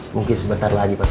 mungkin sebentar lagi pak